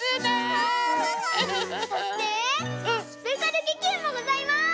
でスペシャルききゅうもございます！